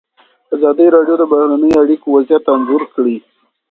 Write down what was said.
ازادي راډیو د بهرنۍ اړیکې وضعیت انځور کړی.